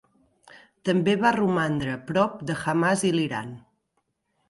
També va romandre prop de Hamas i l'Iran.